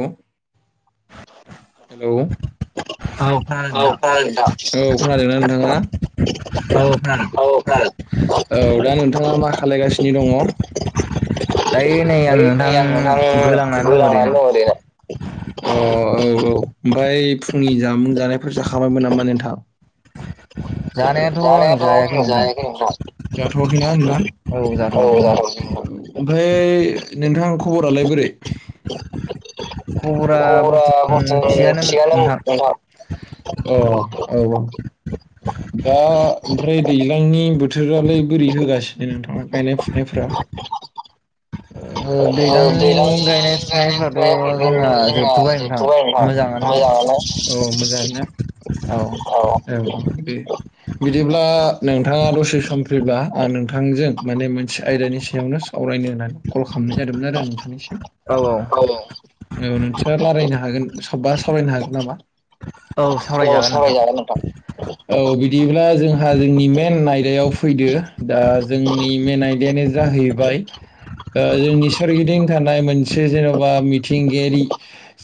औ हेलौ औ खोनादों नोंथां औ खोनादोंना नोंथाङा [inaudible] औ खोनादों औ दा नोंथाङा मा खालायगासिनो दङ दायो नै आं नोंथां गोलांनानै दङ [inaudible] अ औ औ ओमफ्राय फुंनि जामुं जानायफोर जाखाबायमोन नामा नोंथां जानायाथ'आं जायाखै नोंथां जाथ'वाखै ना नोंथां औ जाथ'वाखै नोंथां फाय नोंथां खबरालाय बोरै खबरा बरतमान थिगानो नोंथां अ औ औ दा ओमफ्राय दैज्लांनि बोथोरालाय बोरै होगासिनो नोंथां गायनाय फुनायफोरा [inaudible] दैलां गायनाय फुनायफोराथ' जोंना जोबथ'बाय नोंथां मोजाङानो औ मोजाङानोना औ औ दे बिदिब्ला नोंथाङा दसे सम फ्रिब्ला आं नोंथांजों माने मोनसे आयदानि सायावनो सावरायनो होननानै कल खालामनाय जादोंमोन आरो नोंथांनिसिम औ औ नोंथाङा रायलायनो हागोन बा सावरायनो हागोन नामा औ सावरायजागोन नोंथां औ बिदिब्ला जोंहा जोंनि मेन आयदायाव फैदो दा जोंनि मेन आयदायानो जाहैबाय ओ जोंनि सोरगिदिं थानाय मोनसे जेन'बा मिथिंगायारि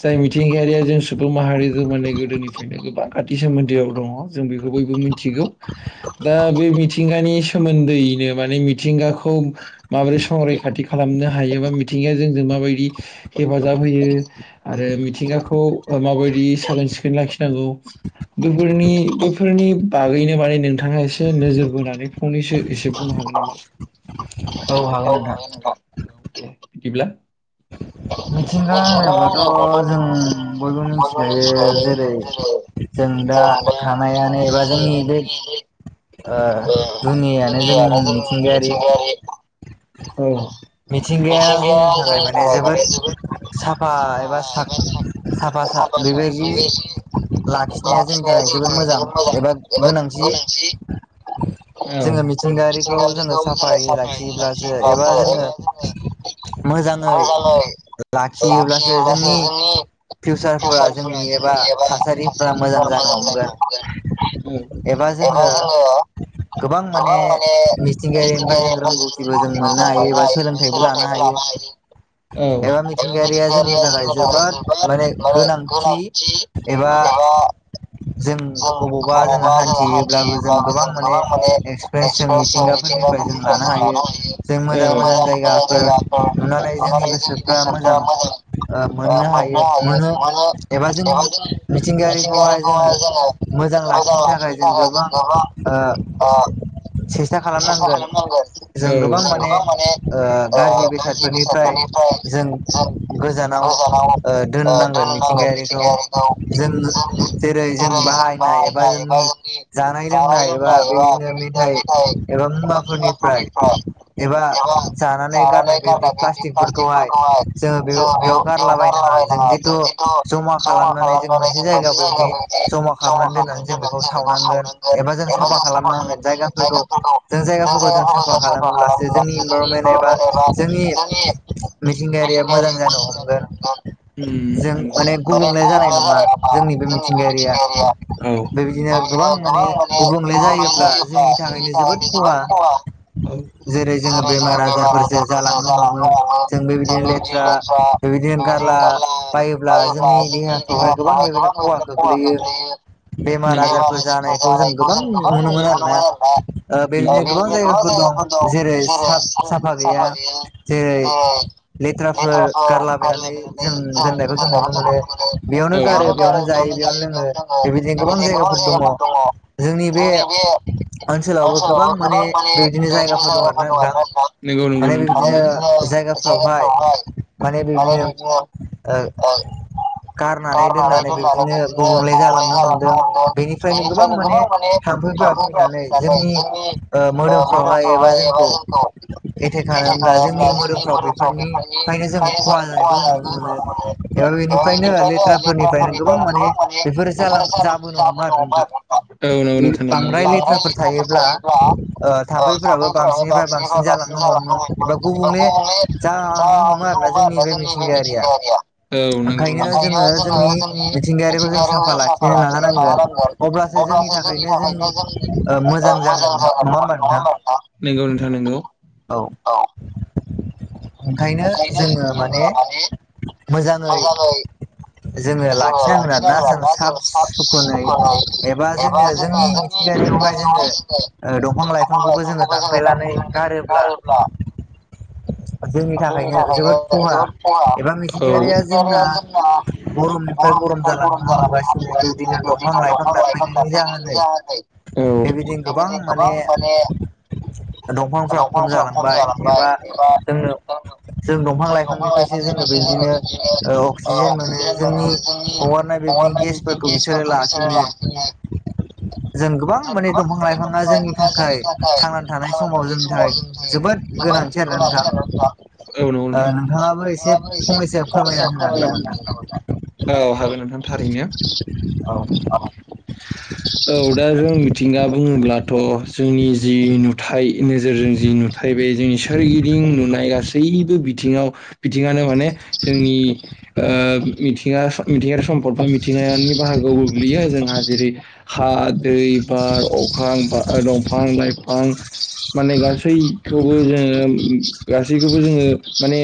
जाय मिथिंगायारिया जों सुबुं माहारिजों माने गोदोनिफ्रायनो गोबां खाथि सोमोन्दोआव दङ जों बेखौ बयबो मिथिगौ दा बे मिथिंगानि सोमोन्दैयैनो माने मिथिंगाखौ माबोरै संरैखाथि खालामनो हायोबा मिथिंगाया जोंजों माबायदि हेफाजाब होयो आरो मिथिंगाखौ माबायदि साखोन सिखोन लाखिनांगौ बेफोरनि बेफोरनि बागैनो माने नोंथाङा एसे नोजोर बोनानै फंनैसो एसे बुंनो हा औ हागोन नोंथां औ दे बिदिब्ला [unintelligible] [unintelligible] माबा थानायानो एबा जोंनि जे ओम दुनियानो जोंनि मिथिंगायारि औ मिथिंगाया जोंनि थाखाय माने साफा एबा साखोन [unintelligible] लाखिनाया जोंनि थाखाय जोबोद मोजां एबा गोनांथि औ जोङो मिथिंगारिखौ जोङो साफायै लाखियोब्लासो एबा जों मोजाङै लाखियोबासो जोंनि फसलफोरा जोंनि एबा थासारिफोरा मोजां जानो हमगोन ओम एबा जोङो गोबां माने मिथिंगायारिनिफ्राय जों रोंगौथिबो जों मोननो हायो एबा सोलोंथाइबो लानो हायो ओ औ एबा मिथिंगायारिआ जेनबा जोबोद मानि गोनांथि एबा जों अबावबा जोङो हान्थियोब्लाबो जों गोबां माने एक्सपिरियेन्स जों मिथिंगाफोर- निफ्राय जों लानो हायो जों मोजां मोजां जायगाफोर नुनानै जोंनि गोसो- गोसोफोरा मोजां ओ मोननो हायो मोनो एबा जों मिथिंगायारिखौहाय जोङो मोजां लाखिनो थाखाय जों गोबां ओ सेसथा खालामनांगोन औ जों गोबां माने ओ गारजि बेसादफोरनिफ्राय जों गोजानाव ओ दोननांगोन मिथिंगायारिखौ जों जेरै जों बाहायनाय एबा जोंनि जानाय लोंनाय एबा बेदिनो मेथाय एबा मुवाफोरनिफ्राय एबा जानानै गारनाय बेबायदि प्लास्टिकफोर- हाय जों बे बेयाव गारला बायनाङा जों जेथु जमा खालामनानै जों मोनसे जायगायाव बेबायदि जमा खालामनानै दोननानै जों बेखौ सावनांगोन एबा जों साफा खालामनांगोन जायगाफोरखौ जों जायगाफोरखौ जों साफा खालामोब्लासो जोंनि इनभाइरनमेन्ट- नरमेल एबा जोंनि मिथिंगायारिया मोजां जानो हमगोन ओम ओम जों माने गुबुंले जानाय- जोंनि बे मिथिंगायारिया औ बेदिबा गोबां माने गुबुंले जायोब्ला जोंनि थाखायनो जोबोद खहा औ जेरै जोङो बाजारफोरसो जालांनो हमो जों बेबायदि लेथ्रा बेबादि गारला बायोब्ला जोंनि देहाफ्रावहाय गोबां खहा खोख्लैयो बेमार आजारफोर जानायखौ जों गोबां नुनो मोनो आरोना औ बिदिनो गोबां जों दं जेरै सा साफा गैया ओम लेथ्राफोर गारलाबायनानै जों दोननायखौ जों नुनो मोनो बेयावथ' दा बेयावनो जायो बेयावनो लोङो बेबादिनो गोबां जायगाफोर दङ जोंनि बे ओनसोलावबो गोबां माने बिदिनो जायगाफोर दं आरो ना नोंथां ओम नंगौ नंगौ नोंथां माने बिदिनो जायगाफोरावहाय माने बिदिनो ओ गारनानै दोननानै बिदिनो गुबुंले जालांनो हमदों बेनिफ्रायनो गोबां माने थाम्फैफ्रा फैनानै जोंनि ओ मोदोमफ्रावहाय एबा जोंखौ एथेक खालामोब्ला जोंनि मोदोम बेफोरनिफ्रायनो जों खहा जानायखौ नुनो मोनो बेनिफ्रायनो लेथ्राफोरनिफ्राय गोबां माने बेफोर जाबो जाबोनो हमो आरो ना नोंथां औ नंगौ नोंथां नंगौ बांद्राय लेथ्राफोर थायोब्ला ओ थामफैफोराबो बांसिननिफ्राय बांसिन जालांनो हमो एबा गुबुंले जालांनो हमो आरोना जोंनि बे मिथिंगायारिया औ नंगौ ओंखायनो जोङो जोंनि मिथिंगायारिखौ जों साफा लाखिनो नाजानांगोन अब्लासो जोंनि थाखायनो जोंनि ओ मोजां जागोन नङा होनबा नोंथा नंगौ नोंथां नंगौ औ ओंखायनो जोङो माने मोजाङै जोङो लाखिनांगोन आरोना जों साब सुखुनै एबा जोङो जोंनि मिथिंगा बेवहाय जोङो ओ दंफां लाइफांखौबो जोङो दानफायनानै गारोब्ला [inaudible] जोंनि थाखायनो जोबोद खहा एबा मिथिंगायारिया जोंना गरम फ्राय गरम जालांनो हमगासिनो बिदिनो दंफां लाइफां दानफायनायनि जाहोनै बे बेदिनो गोबां माने दंफांफ्रा खम जालांबाय एबा जोंनो जों दंफां लाइफांनिफ्रायसो जोङो बेबदिनो अक्सिजेन मोनो जोंनि हगारनाय बेदिनो गेसफोरखौ बिसोरो लाफिनो जों गोबां माने दंफां लाइफाङा जोंनि थाखाय थांनानै थानाय समाव जोंनि थाखाय जोबोद बोद गोनांथि आरो औ नोंथां नंगौ नोंथां ओम नोंथाङाबो एसे फंनैसो फोरमायना होनो हागोन नामा नोथां औ हागोन नोंथां थारैनो औ औ दा जों मिथिंगा बुङोब्लाथ' जों जोंनि जि नुथाय नोजोरजों जि नुथाय बे जोंनि सोरगिदिं नुनाय गासैबो बिथिङाव बिथिङानो माने जोंनि ओ मिथिंगा सम मिथिंगारि सम्पदफोर मिथिंगानि बाहागोआव गोग्लैयो जोंहा जेरै हा दै बार अखा फां ओ दंफां लाइफां माने गासैखौबो जोङो गासैखौबो जोङो माने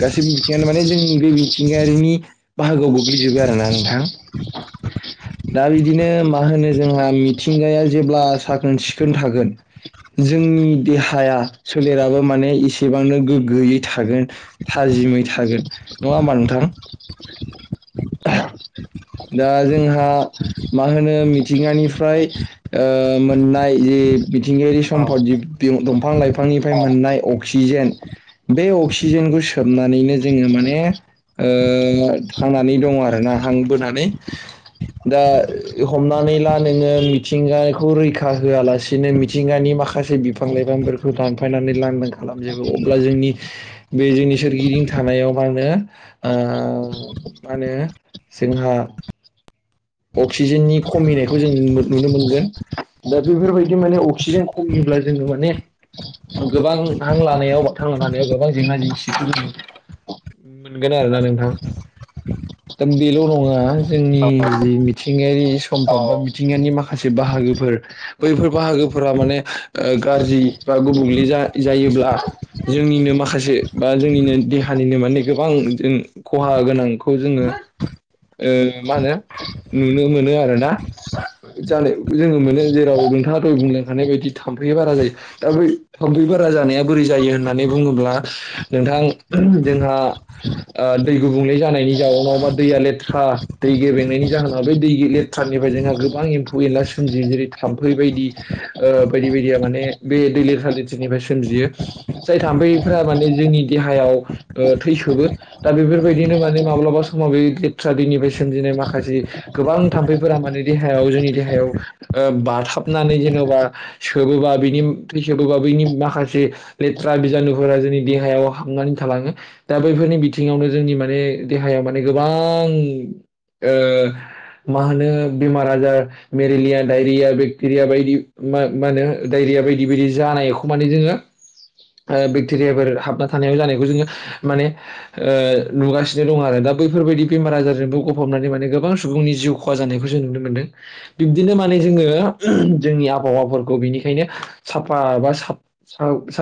गासैबो बिथिङानो माने जों बे मिथिंगायारिनि बाहागोआवबो गबो आरोना नोंथां दा बिदिनो मा होनो जोंहा मिथिंगाया जेब्ला साखोन सिखोन थागोन जों जोंनि देहाया सोलेराबो माने इसे एसेबांनो गोग्गोयै थागोन थाजिमै थागोन नङा होमबा नोंथां दा जोंहा मा होनो मिथिंगानिफ्राय मोननाय जि मिथिंगायारि सम्पद जि दंफां लाइफांनिफ्राय मोननाय अक्सिजेन बे अक्सिजेनखौ सोबनानैनो जोङो माने ओ थांनानै दङ आरोना हांबोनानै दा हमनानै ला नोङो मिथिंगाखौ रैखा होआलासिनो मिथिंगानि म माखासे बिफां लाइफांफोरखौ दानफायनानै लांदां खालामजोबो अब्ला जोंनि बे जोंनि सोरगिदिं थानायाव मा होनो ओ मा होनो जोंहा अक्सिजेननि खमिनायखौ जों नुनो मोनगोन दा बेफोरबायदि माने अक्सिजेन खमि ब्ला जोङो माने गोबां हां लानायाव बा थां थानायाव गोबां जेंना जेंसिखौ मोनगोन आरोना नोंथां दा बेल नङा जोंनि जि मिथिंगायारि समाव बा मिथिंगानि माखासे बाहागोफोर बैफोर बाहागोफोरा माने गाज्रि बा गुबुंले जा-जायोब्ला जोंनिनो माखासे बा जोंनिनो देहानिनो माने गोबां खहा गोनांखौ जोङो मा होनो नुनो मोनो आरोना जानो जोङो मोनो जेराव नोंथाङा दय बुंलांखानाय बायदि थाम्फै बारा जायो दा बै थाम्फै बारा जानाया बोरै जायो होननानै बुङोब्ला नोंथां जोंहा दै गुबुंले जानायनि जाउनाव बा दैया लेथ्रा दै गेब्रेंनायनि जोना बे दै लेथ्रारनिफ्राय जोंहा गोबां एम्फौ एनला सोमजियो जेरै थाम्फै बायदि ओ बायदि बेदिया माने बे दै लेथ्रा सलिरथिनिफ्राय सोमजियो जाय थाम्फैफ्रा माने जोंनि देहायाव थैसोबो दा बेफोरबायदिनो माने माब्लाबा समाव बे लेथ्रा दैनिफ्राय सोमजिनाय माखासे गोबां थाम्फैफोरा माने देहायाव जोंनि देहायाव बाथाबनानै जेन'बा बिनि थै सोबोबा बिनि माखासे लेथ्रा बिजानुफोरा जोंनि देहायाव हाबनानै थालाङो। दा बैफोरनि बिथिङावनो जोंनि माने देहायाव माने गोबां ओ मा होनो बेमार आजार मेलेरिया डाइरिया बेक्टेरिया बायदि मा मा होनो डायरिया बायदि बायदि जानायखौ माने जोङो बेक्टेरियाफोर हाबना थानायाव जानायखौ जोङो माने नुगासिनो दं आरो दा। दा बैफोरबायदि बेमार आजारजोंबो गफबनानै माने गोबां स सुबुंनि जिउ खहा जानायखौ जों नुनो मोनदों बिब्दिनो माने जोङो जोंनि आबहावाफोरखौ बिनि बेखायनो साफा बा साफ साफ